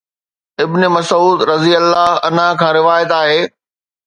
ابن مسعود (رضي الله عنه) کان روايت آهي.